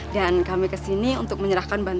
dan kami kesini untuk menyerahkan bahasanya